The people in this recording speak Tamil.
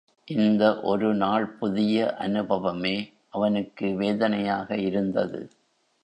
இந்த ஒருநாள் புதிய அனுபவமே அவனுக்கு வேதனையாக இருந்தது.